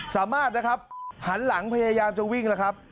สามารถนะครับหันหลังพยายามจะวิ่งแล้วครับ